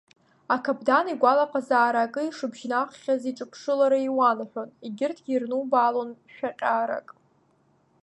Акаԥдан игәалаҟазаара акы ишыбжьнаххьаз иҿыԥшылара иуанаҳәон, егьырҭгьы ирнубаалон шәаҟьарак.